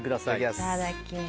いただきます。